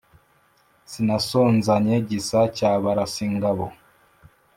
sinasonzanye gisa cya barasingabo.